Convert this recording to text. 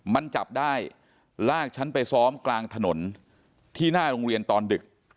มันจับได้ลากฉันไปซ้อมกลางถนนที่หน้าโรงเรียนตอนดึก